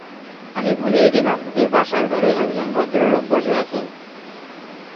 আমি ভুলেই গেলাম যে বসার ঘরে একজন ভদ্রলোক বসে আছেন।